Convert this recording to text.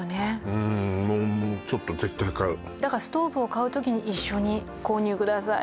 うんもうちょっとだからストーブを買う時に一緒に購入ください